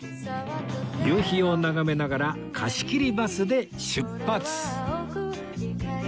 夕日を眺めながら貸し切りバスで出発！